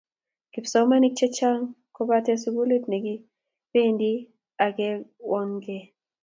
kipsomaninik chechang kopente sukulit nekipentei ak kekwonekaa